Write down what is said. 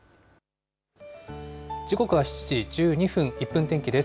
時刻は７時１２分、１分天気です。